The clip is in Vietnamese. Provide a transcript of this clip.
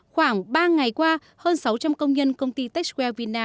khoảng ba ngày qua hơn sáu trăm linh công nhân công ty texuelvina